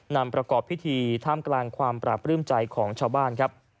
นำประกอบพิธีท่ามกลางความปราบปลื้มใจของชาวบ้านครับ